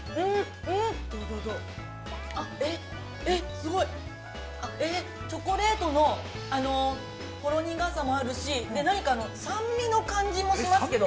すごい、チョコレートのほろ苦さもあるし、なんか、酸味の感じもしますけど。